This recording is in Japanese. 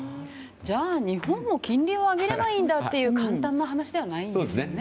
日本も金利を上げればいいんだっていう簡単な話ではないんですよね。